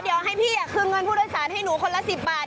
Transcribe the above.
เดี๋ยวให้พี่คืนเงินผู้โดยสารให้หนูคนละ๑๐บาท